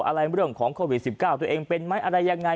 อะไรเรื่องของโควิดสิบเก้าตัวเองเป็นไหมอะไรยังไง